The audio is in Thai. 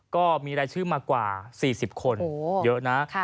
ก็มีรายชื่อมากว่า๔๐คนเยอะนะ